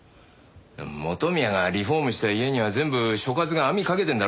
元宮がリフォームした家には全部所轄が網掛けてんだろ？